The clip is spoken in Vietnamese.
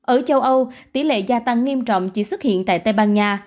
ở châu âu tỷ lệ gia tăng nghiêm trọng chỉ xuất hiện tại tây ban nha